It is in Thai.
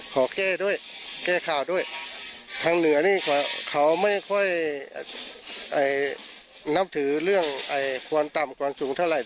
ขอแก้ด้วยแก้ข่าวด้วยทางเหนือนี่เขาไม่ค่อยนับถือเรื่องความต่ำความสูงเท่าไหร